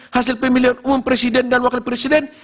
hasil pemilihan umum presiden dan wakil presiden